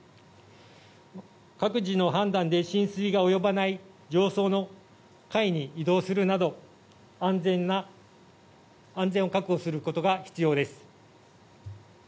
各自の判断で浸水が及ばない上層の階に移動するなど安全を確保することが必要です。